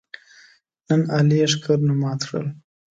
نن علي یې ښکرونه مات کړل.